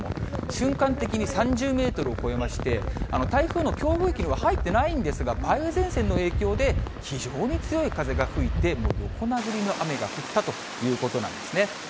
瞬間的に３０メートルを超えまして、台風の強風域には入ってないんですが、梅雨前線の影響で、非常に強い風が吹いて、横殴りの雨が降ったということなんですね。